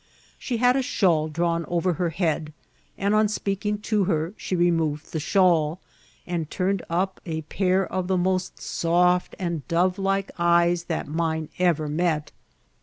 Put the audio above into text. She had a shawl drawn over her head, and on speaking to her she removed the shawl, and turned up a pair of the most soft and dovelike eyes that mine ever met.